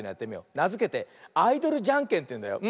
なづけて「アイドルじゃんけん」というんだよ。